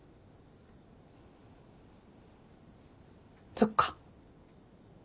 そっか。